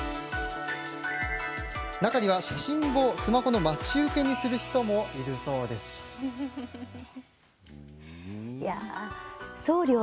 写真をスマホの待ち受けにする人もいるそうですよ。